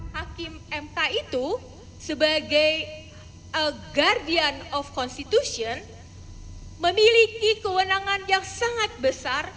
hakim mk itu sebagai guardian of constitution memiliki kewenangan yang sangat besar